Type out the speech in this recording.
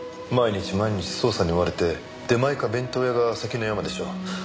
毎日毎日捜査に追われて出前か弁当屋が関の山でしょう。